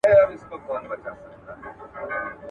خپل ذهن په نېکو فکرونو سره مدام په پوره ډول تازه وساتئ.